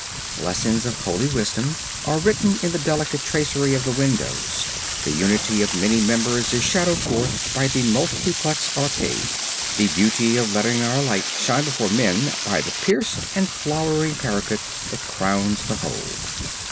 Lessons of holy wisdom are written in the delicate tracery of the windows; the unity of many members is shadowed forth by the multiplex arcade; the duty of letting our light shine before men, by the pierced and flowered parapet that crowns the whole.